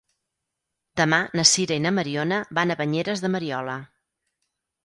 Demà na Sira i na Mariona van a Banyeres de Mariola.